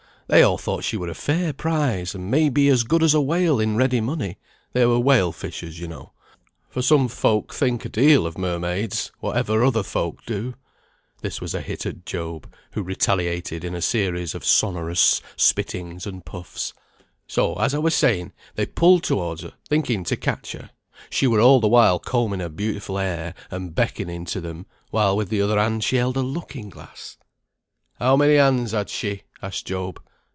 They all thought she were a fair prize, and may be as good as a whale in ready money (they were whale fishers you know). For some folk think a deal of mermaids, whatever other folk do." This was a hit at Job, who retaliated in a series of sonorous spittings and puffs. "So, as I were saying, they pulled towards her, thinking to catch her. She were all the while combing her beautiful hair, and beckoning to them, while with the other hand she held a looking glass." "How many hands had she?" asked Job.